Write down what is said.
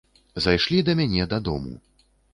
Зайшлі да мяне дадому.